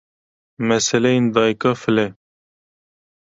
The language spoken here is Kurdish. meseleyên Dayika File